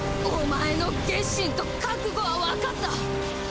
お前の決心と覚悟はわかった。